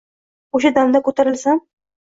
O’sha damda ko’tarilsam